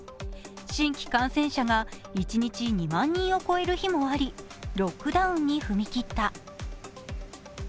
新規感染者が一日２万人を超える日もありロックダウンに踏み切った。